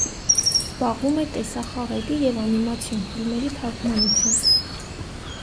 Զբաղվում է տեսախաղերի և անիմացիոն ֆիլմերի թարգմանությամբ։